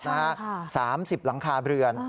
ใช่ค่ะ๓๐หลังคาเรือน